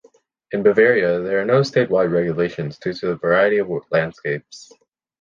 In Bavaria there are no state-wide regulations due to the variety of landscapes.